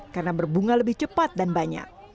karena berbunga lebih cepat dan banyak